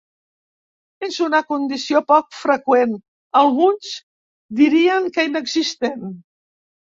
És una condició poc freqüent, alguns dirien que inexistent.